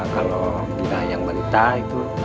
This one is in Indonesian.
kalau tidak yang berita itu